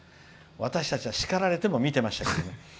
私たちは叱られても見ていましたけどね。